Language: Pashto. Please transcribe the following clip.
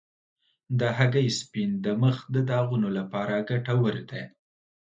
د هګۍ سپین د مخ د داغونو لپاره ګټور دی.